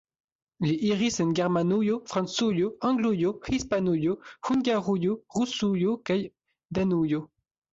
Li iris en Germanujo, Francujo, Anglujo, Hispanujo, Hungarujo, Rusujo, Danujo.